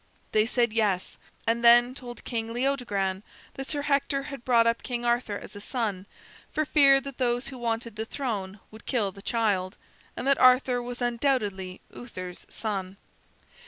They said "Yes," and then told King Leodogran that Sir Hector had brought up King Arthur as his son, for fear that those who wanted the throne would kill the child; and that Arthur was undoubtedly Uther's son.